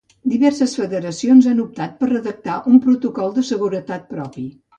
Diverses federacions han optat per redactar un protocol de seguretat propi.